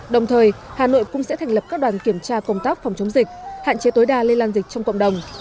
đồng thời hà nội cũng sẽ thành lập các đoàn kiểm tra công tác phòng chống dịch hạn chế tối đa lây lan dịch trong cộng đồng